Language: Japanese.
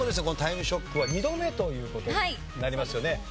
この『タイムショック』は２度目という事になりますよね。